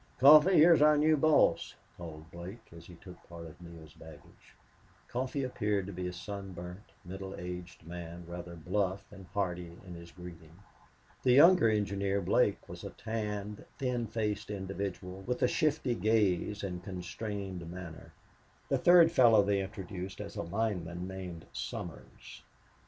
"Coffee, here's our new boss," called Blake as he took part of Neale's baggage. Coffee appeared to be a sunburnt, middle aged man, rather bluff and hearty in his greeting. The younger engineer, Blake, was a tanned, thin faced individual, with a shifty gaze and constrained manner. The third fellow they introduced as a lineman named Somers.